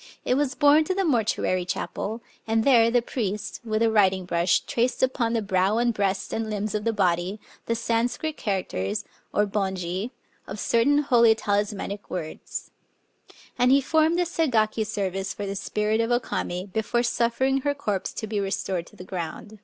^ It was borne to the mortuary chapel ; and there the priest, with a writing brush, traced upon the brow and breast and limbs of the body the San scrit characters (Bonji) of certain holy talismanic words. And he performed a Segaki service for the spirit of O Kame, before suffering her corpse to be restored to the ground.